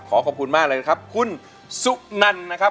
ขอขอบคุณมากเลยนะครับคุณสุนันนะครับ